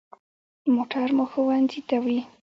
موټر مو ښوونځي ته وړي.